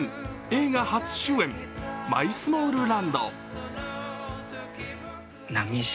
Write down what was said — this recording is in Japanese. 映画初主演、「マイスモールランド」。